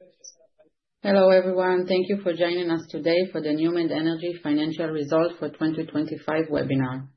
Good afternoon for everybody. Thank you for participating in the Zoom to review our financial result for Q1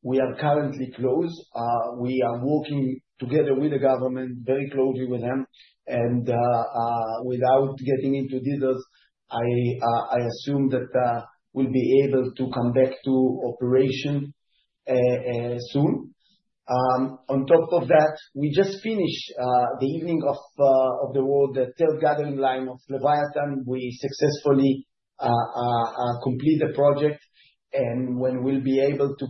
we are sharing this graph in every quarter. What you see in blue is the realized blended price of NewMed vis-à-vis in orange the average Brent of each month. What you can see basically is that we should enjoy the upside of the Brent in the next months this year and following, obviously. This is take us to revenues of $288 billion for Leviathan this year vis-à-vis $255 billion that we assume earlier this year. This is the $330 million upside. Basically, with the average price of $90, as we are basically seeing more today. This analysis is based on a $90 Brent price, average. On the operational side, as I mentioned, we finished the third gathering line of Leviathan. We finished this project, amazingly, in basically $480 million vis-à-vis $570 million what that was budget. We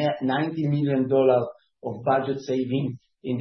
have $90 million saving in basically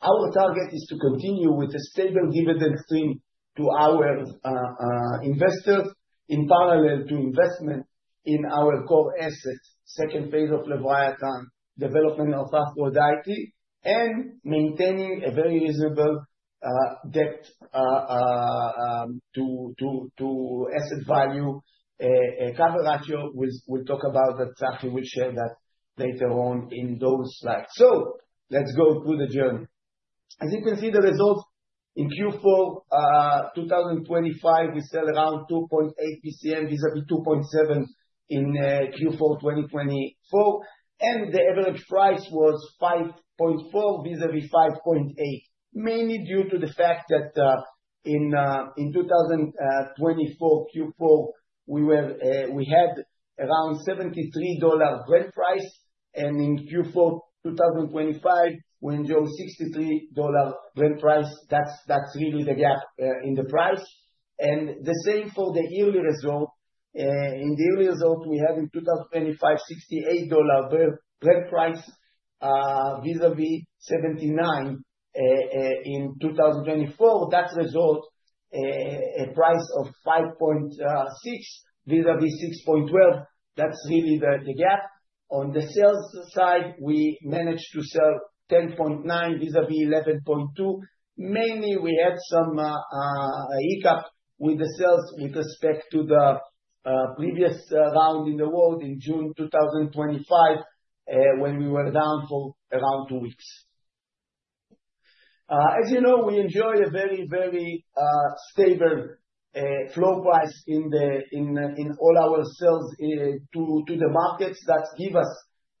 Leviathan project.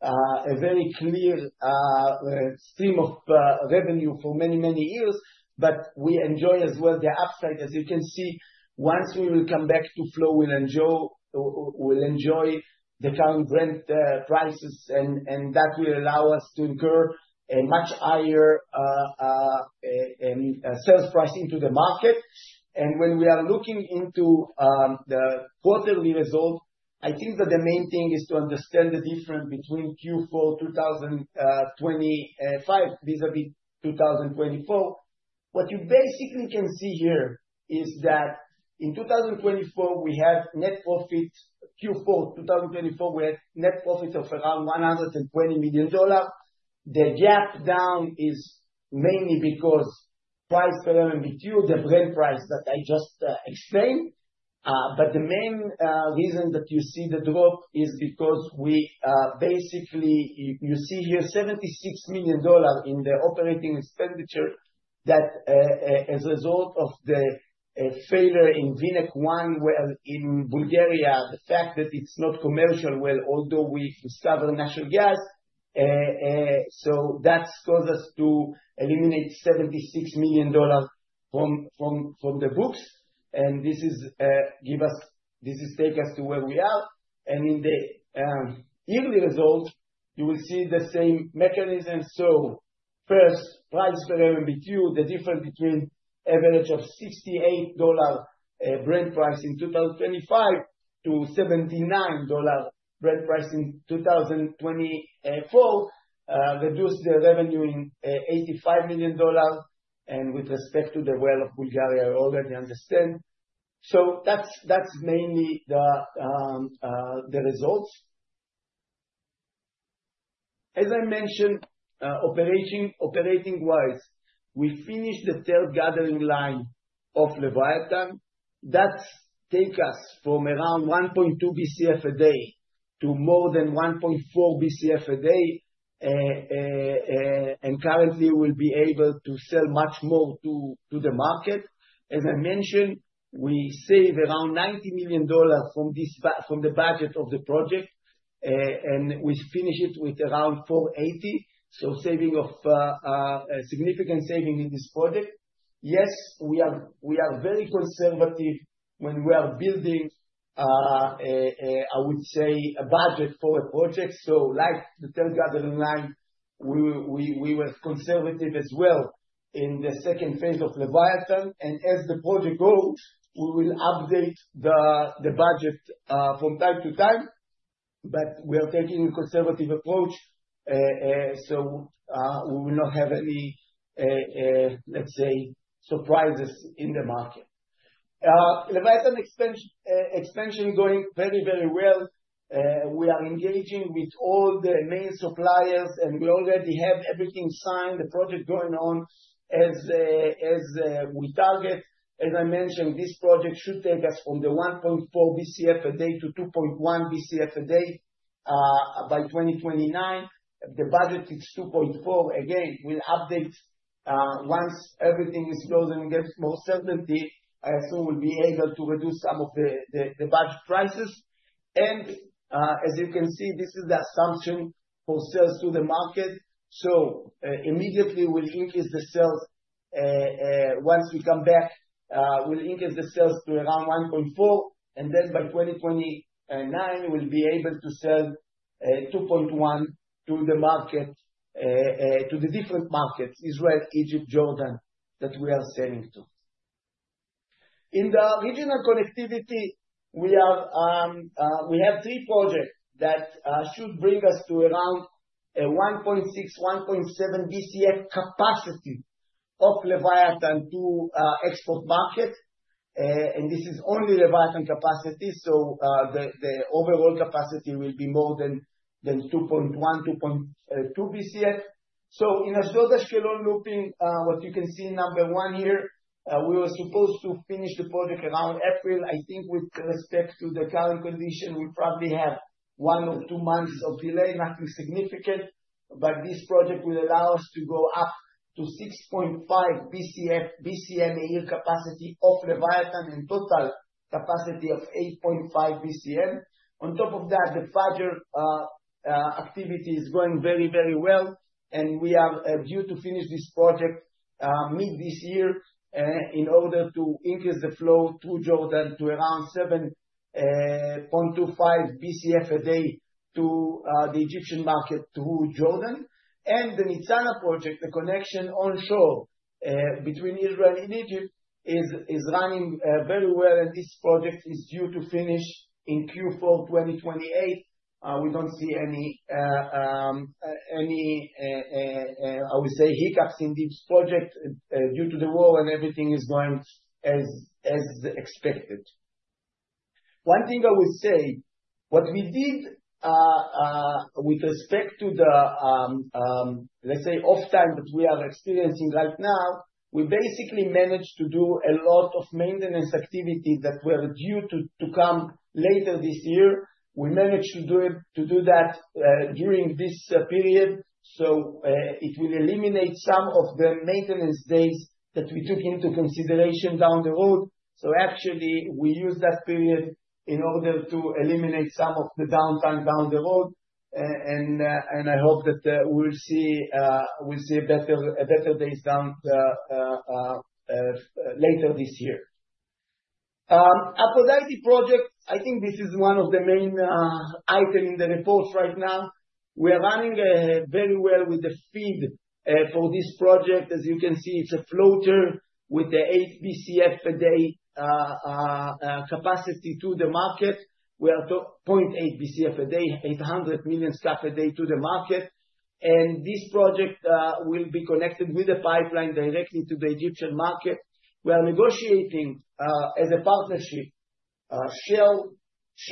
As I mentioned, we increased the capacity from the assumption nameplate capacity of BCF a day to 1.53 BCF a day. Great news, path forward for us. I assume that in the next few months we'll upgrade our sales production according to that and taking into consideration the midstream capability. With respect to phase I-B, the expansion of Leviathan, everything is as expected and even better. We are on timetable. We are on the budget, and the project is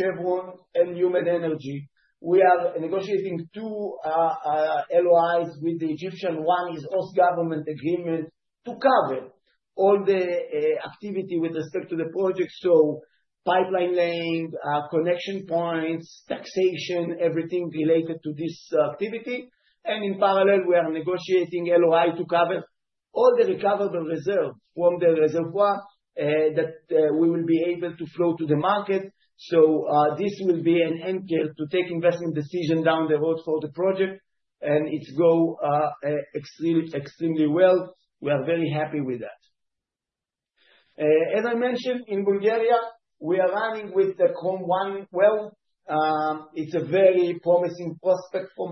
running extremely well. We are very happy with that. As I mentioned, we have basically three projects of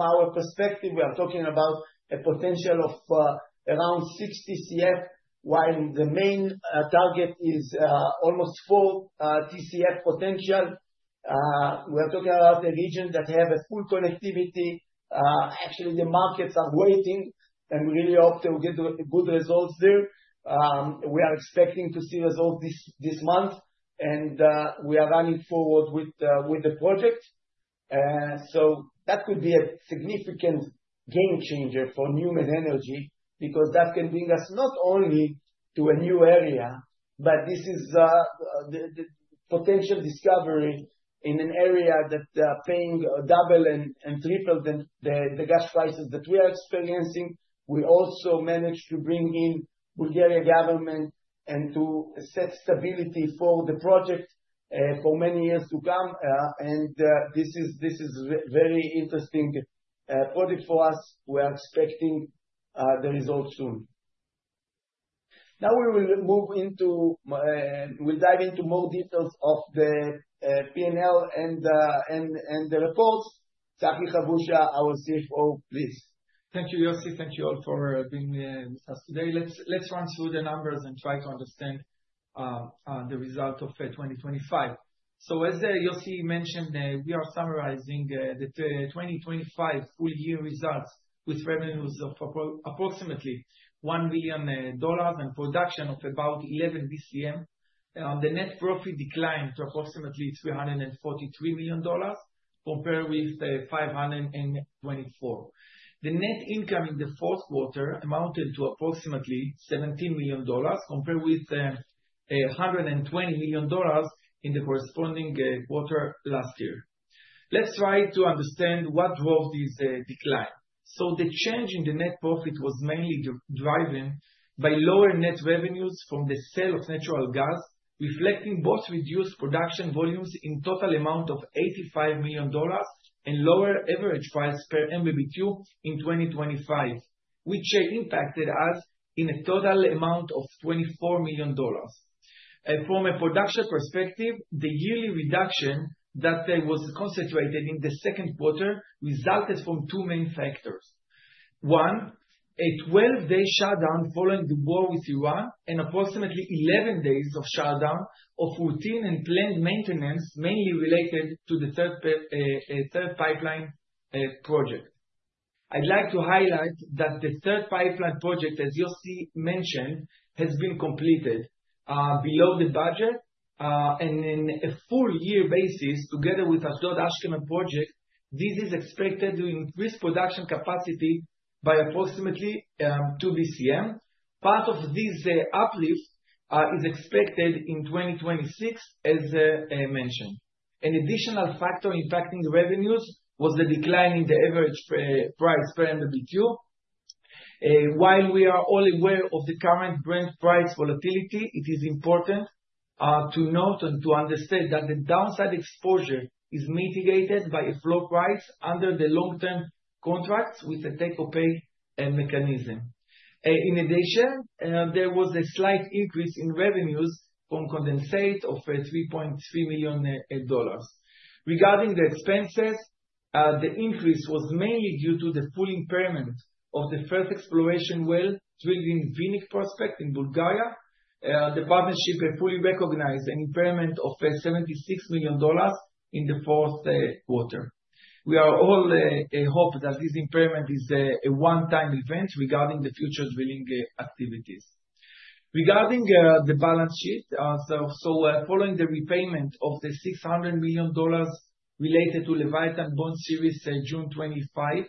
with revenues of $288 million and production of 2.9 BCM in the first quarter of last year. Net profit was $0.1 million compared with $160 million last year. The change in the net profit in the first quarter was mainly driven by four factors. First, the lower natural gas production and the lower net revenues from natural gas resulted from the 33-day shutdown of operation during the war with Iran. These reduced revenues by approximately $76 million. A reduction in the average gas price reduced revenues by approximately $27 million. The third factor was an increase in cost and expenses, mainly due to the one-time amortization of drilling costs following the unsuccessful drilling campaign in Bulgaria, totaling $74 million. The final factor was a higher net financial income of $40 million driven by the revaluation of Karish and Tanin royalties together with the lower financing expenses following the full repayment of $600 million of Leviathan Bond Series June 25.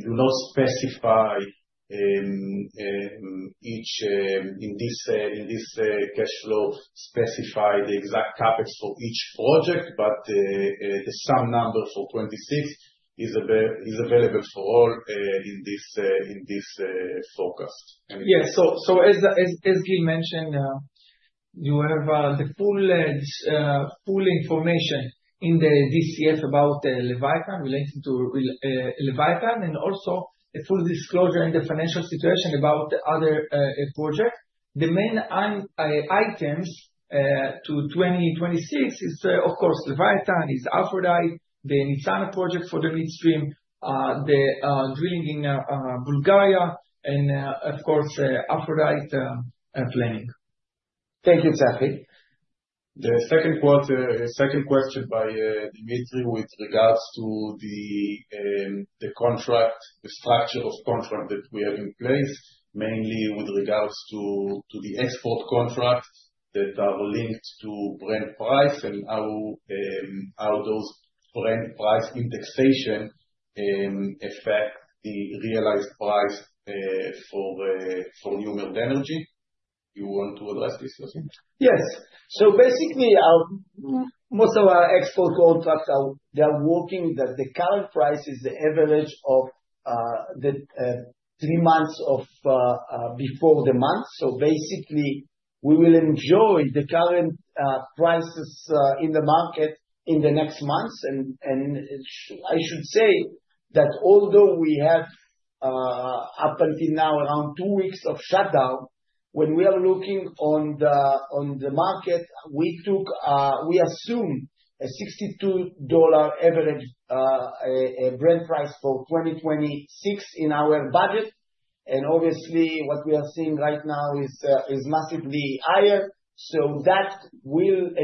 Despite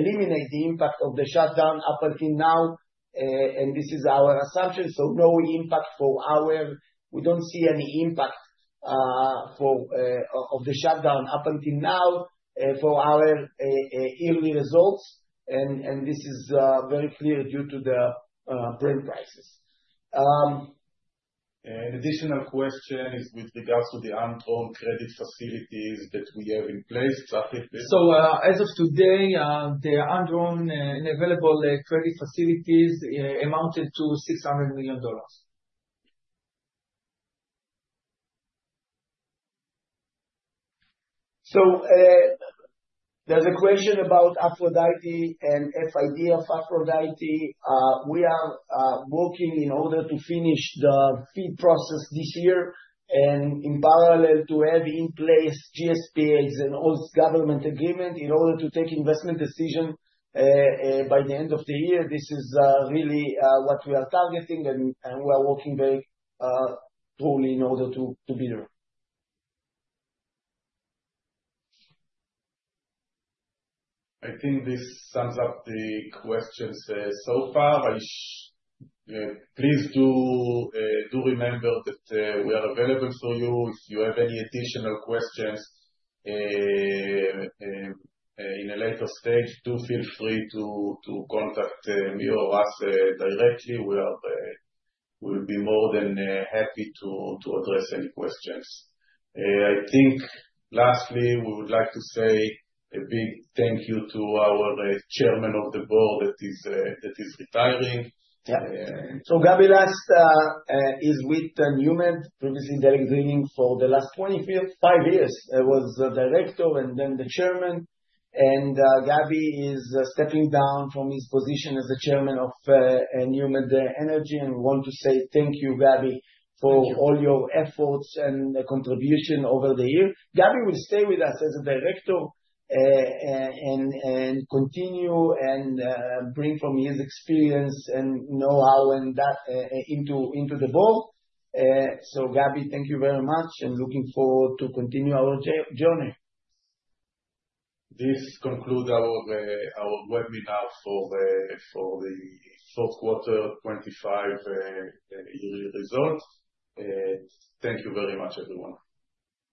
the impact of the shutdown, our forecast indicates a positive overall impact more questions and superlatives that regards to Yossi. All will be answered in due time, I guess, all those assumptions. We want to thank you all for joining us in this webinar. Please feel free to reach out if you have any additional questions. We'll see you all, next quarter. Thank you. Thank you. Thank you all.